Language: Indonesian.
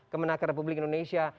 kemenangka republik indonesia